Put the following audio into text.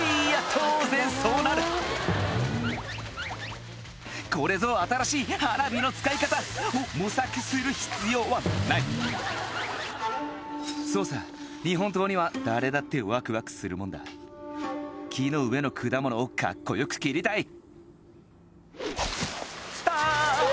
当然そうなるこれぞ新しい花火の使い方を模索する必要はないそうさ日本刀には誰だってわくわくするもんだ木の上の果物をカッコよく斬りたいあー！